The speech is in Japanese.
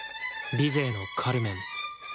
ビゼーの「カルメン」。